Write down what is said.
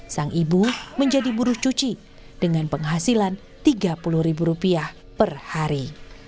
sang ibu menjadi buruh cuci dengan penghasilan rp tiga puluh per hari